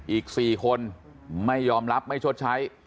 อีก๔คนไม่ยอมรับไม่ชดใช้